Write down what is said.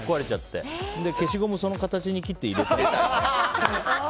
消しゴムをその形に切って入れたりね。